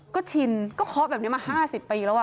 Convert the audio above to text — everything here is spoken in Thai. ก็ชินก็เคาะแบบนี้มา๕๐ปีแล้ว